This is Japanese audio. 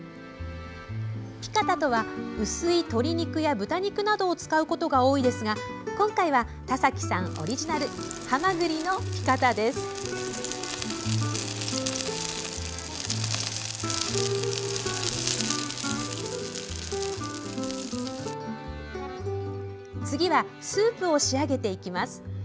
ピカタとは、薄い鶏肉や豚肉などを使うことが多いですが今回は、田崎さんオリジナル「はまぐりのピカタ」です。次はスープを仕上げていきます。